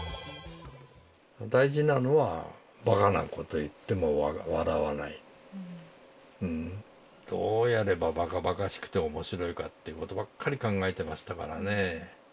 大事なのはどうやればバカバカしくて面白いかっていうことばっかり考えてましたからね。